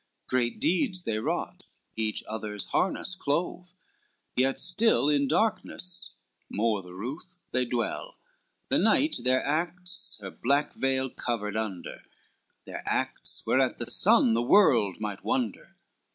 Great deeds they wrought, each other's harness clove; Yet still in darkness, more the ruth, they dwell. The night their acts her black veil covered under, Their acts whereat the sun, the world might wonder.